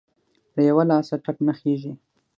له يوه لاسه ټک نه خيږى.